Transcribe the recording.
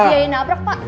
oh pak dia yang nabrak pak